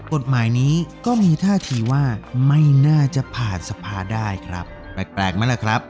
กฎหมายนี้ก็มีท่าทีว่าไม่น่าจะผ่านสภาได้ครับแปลกไหมล่ะครับ